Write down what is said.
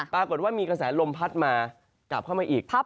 ปรากฏว่ามีกระแสลมพัดมากลับเข้ามาอีก